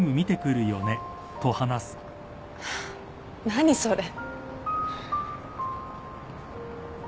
何それ。